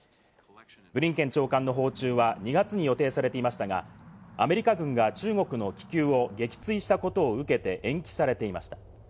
ブリンケン長官の訪中は２月に予定されていましたが、アメリカ軍が中国の気球を撃墜したことを受けて延期されていました。